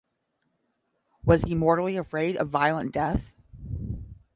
Was he mortally afraid of violent death?